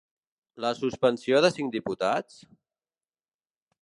La suspensió de cinc diputats?